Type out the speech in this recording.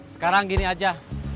sekarang gini aja